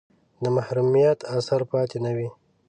د محرومیت اثر پاتې نه وي.